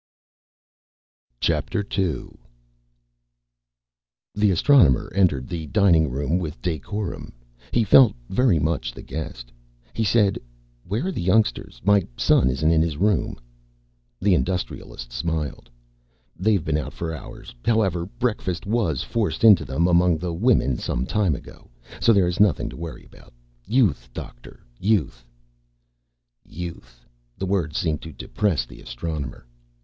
II The Astronomer entered the dining room with decorum. He felt very much the guest. He said, "Where are the youngsters? My son isn't in his room." The Industrialist smiled. "They've been out for hours. However, breakfast was forced into them among the women some time ago, so there is nothing to worry about. Youth, Doctor, youth!" "Youth!" The word seemed to depress the Astronomer.